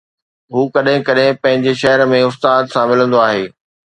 هو ڪڏهن ڪڏهن پنهنجي شهر ۾ استاد سان ملندو آهي.